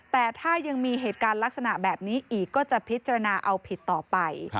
แต่ถ้ายังมีเหตุการณ์ลักษณะแบบนี้อีกก็จะพิจารณาเอาผิดต่อไป